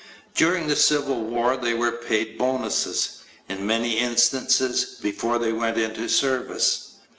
During the Civil War they were paid bonuses, in many instances, before they went into service.